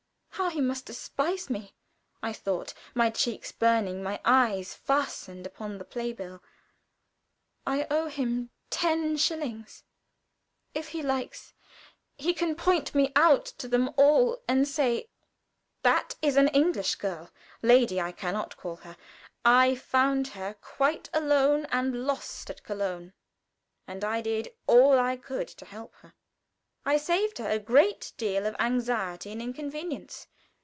"How he must despise me!" I thought, my cheeks burning, my eyes fastened upon the play bill. "I owe him ten shillings. If he likes he can point me out to them all and say, 'That is an English girl lady I can not call her. I found her quite alone and lost at Köln, and I did all I could to help her. I saved her a great deal of anxiety and inconvenience.